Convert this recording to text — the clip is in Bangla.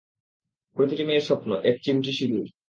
প্রতিটি মেয়ের স্বপ্ন, এক চিমটি সিদুর।